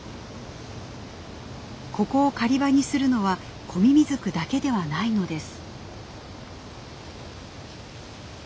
ここを狩り場にするのはコミミズクだけではないのです。